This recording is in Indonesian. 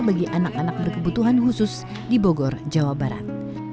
bagi anak anak berkebutuhan khusus di bogor jawa barat